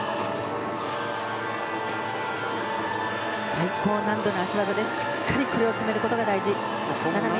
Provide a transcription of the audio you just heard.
最高難度の脚技しっかりこれを決めることが大事。